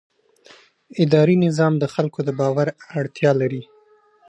اداري نظام د خلکو د باور اړتیا لري.